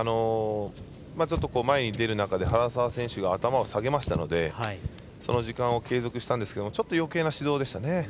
ちょっと前に出る中で原沢選手が頭を下げましたのでその時間を継続したんですがよけいな指導でした。